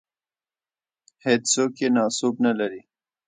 هېڅوک یې ناسوب نه لري.